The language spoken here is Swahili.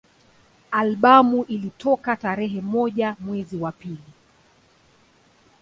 Albamu ilitoka tarehe moja mwezi wa pili